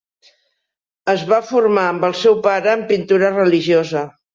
Es va formar amb el seu pare en pintura religiosa.